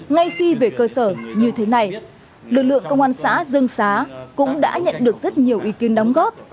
ngay khi về cơ sở như thế này lực lượng công an xã dương xá cũng đã nhận được rất nhiều ý kiến đóng góp